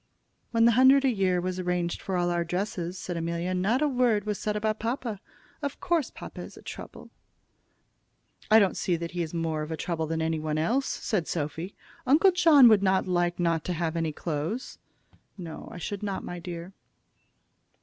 "When the hundred a year was arranged for all our dresses," said Amelia, "not a word was said about papa. Of course, papa is a trouble." "I don't see that he is more of a trouble than any one else," said Sophy. "Uncle John would not like not to have any clothes." "No, I should not, my dear."